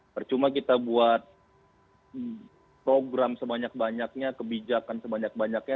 percuma kita buat program sebanyak banyaknya kebijakan sebanyak banyaknya